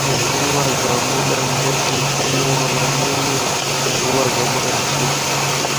mvua za muda mrefu msimu wa manyunyu na mvua za muda mfupi